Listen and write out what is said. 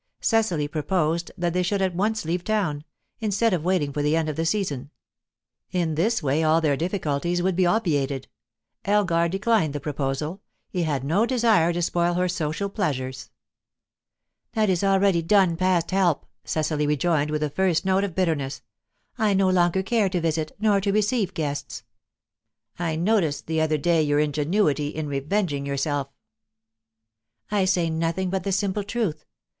Cecily proposed that they should at once leave town, instead of waiting for the end of the season; in this way all their difficulties would be obviated. Elgar declined the proposal; he had no desire to spoil her social pleasures. "That is already done, past help," Cecily rejoined, with the first note of bitterness. "I no longer care to visit, nor to receive guests." "I noticed the other day your ingenuity in revenging yourself." "I say nothing but the simple truth.